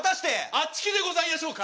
あちきでございやしょうか？